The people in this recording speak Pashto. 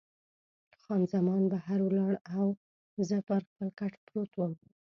خان زمان بهر ولاړه او زه پر خپل کټ پروت وم.